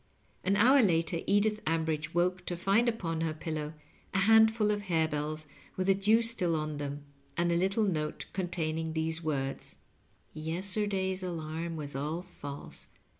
An hour later Edith Ambridge woke to find upon her pillow a handful of harebells with the dew still on them, and a little note containing these words :" Yesterday's alarm was all false.